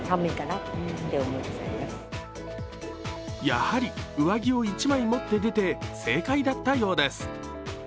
やはり上着を１枚持って出て、正解だったようです。